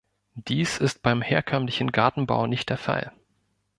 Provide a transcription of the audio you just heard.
Dies ist beim herkömmlichen Gartenbau nicht der Fall.